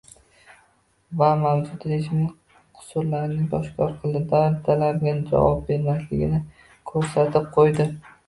va mavjud rejimning qusurlarini oshkor qildi, davr talabiga javob bermasligini ko‘rsatib qo‘ydi.